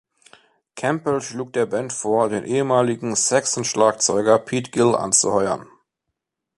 Campbell schlug der Band vor, den ehemaligen Saxon-Schlagzeuger Pete Gill anzuheuern.